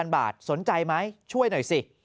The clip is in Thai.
บาทสนใจไหมช่วยหน่อยสิ